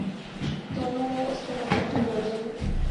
تو انہوں نے اس کے مفہوم پر توجہ دی